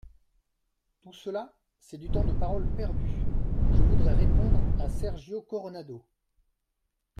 Tout cela, c’est du temps de parole perdu ! Je voudrais répondre à Sergio Coronado.